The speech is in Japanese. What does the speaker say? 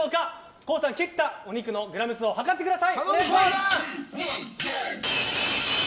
ＫＯＯさん切ったお肉のグラム数を図ってください。